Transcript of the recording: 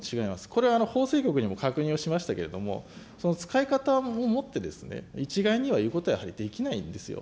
これは法制局にも確認をしましたけれども、使い方をもって、一概には言うことはやはりできないんですよ。